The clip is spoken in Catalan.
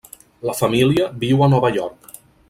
La família viu a Nova York.